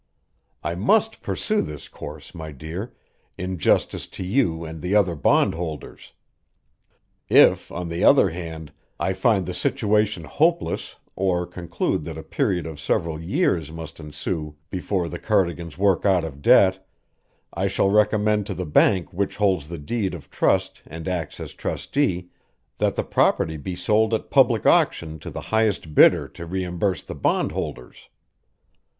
"I MUST pursue this course, my dear, in justice to you and the other bondholders. If, on the other hand, I find the situation hopeless or conclude that a period of several years must ensue before the Cardigans work out of debt, I shall recommend to the bank which holds the deed of trust and acts as trustee, that the property be sold at public auction to the highest bidder to reimburse the bondholders.